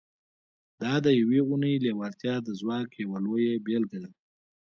دا د يوې اورنۍ لېوالتیا د ځواک يوه لويه بېلګه ده.